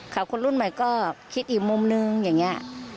คนรุ่นใหม่ก็คิดอีกมุมนึงอย่างนี้